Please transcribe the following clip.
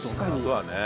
そうだね。